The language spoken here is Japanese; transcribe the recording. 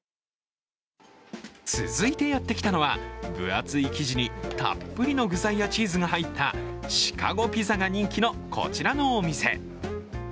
続いてやってきたのは分厚い生地にたっぷりの具材やチーズが入ったシカゴピザが人気のこちらのお店。